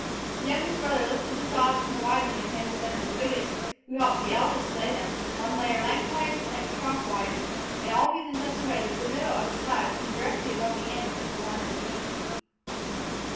The youngest brother lifted the sods from the wagon and handed them to the biggest, who helped the eldest lay them, one layer lengthwise, the next crosswise, and always in such a way that the middle of a slab came directly above the ends of the ones beneath.